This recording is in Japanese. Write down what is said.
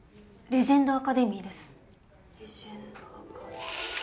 レジェンドアカデミー